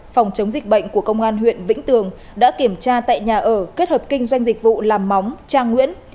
phòng chống dịch bệnh của công an huyện vĩnh tường đã kiểm tra tại nhà ở kết hợp kinh doanh dịch vụ làm móng trang nguyễn